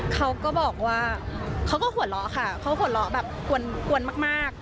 เขาก็บอกว่าเขาก็หัวเราะค่ะเขาหัวเราะแบบกวนมาก